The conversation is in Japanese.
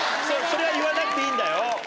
それは言わなくていいんだよ。